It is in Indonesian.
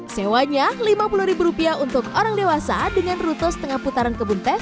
sewanya rp lima puluh ribu rupiah untuk orang dewasa dengan rute setengah putaran kebun teh